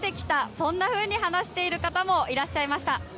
そんなふうに話している方もいらっしゃいました。